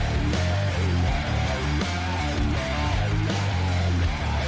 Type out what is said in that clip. โอ้โหขวานที่รวบรวมมาจากกล้วมันแน่นนะฮะ